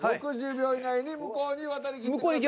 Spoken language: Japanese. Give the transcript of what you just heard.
６０秒以内に向こうに渡りきってください。